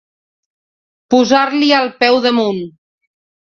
Posar-li el peu damunt.